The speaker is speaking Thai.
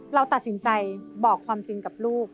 เราตัดสินใจบอกความจริงกับลูก